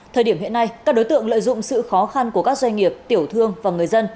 thời điểm hiện nay các đối tượng lợi dụng sự khó khăn của các doanh nghiệp tiểu thương và người dân